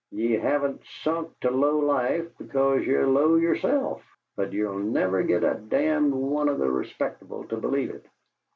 Ye haven't sunk to 'low life' because ye're low yourself, but ye'll never git a damned one o' the respectable to believe it.